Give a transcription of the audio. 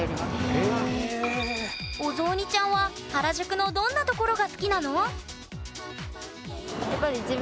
お雑煮ちゃんは原宿のどんなところが好きなの？